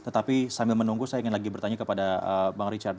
tetapi sambil menunggu saya ingin lagi bertanya kepada bang richard